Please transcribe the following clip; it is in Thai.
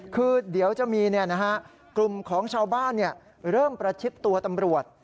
คือเดี๋ยวจะมีกลุ่มของชาวบ้านเริ่มประชิดตัวตำรวจ